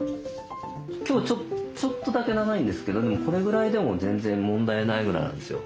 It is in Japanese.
今日ちょっとだけ長いんですけどこれぐらいでも全然問題ないぐらいなんですよ。